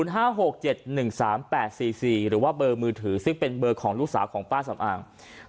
หรือว่าเบอร์มือถือซึ่งเป็นเบอร์ของลูกสาวของป้าสำอาง